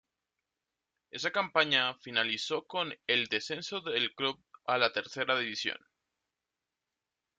Esa campaña finalizó con el descenso del club a Tercera División.